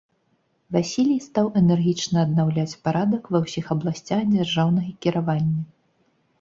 Васілій стаў энергічна аднаўляць парадак ва ўсіх абласцях дзяржаўнага кіравання.